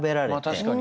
確かに。